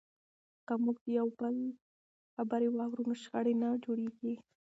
که موږ د یو بل خبرې واورو نو شخړې نه جوړیږي.